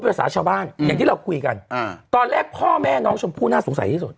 ภาษาชาวบ้านอย่างที่เราคุยกันอ่าตอนแรกพ่อแม่น้องชมพู่น่าสงสัยที่สุด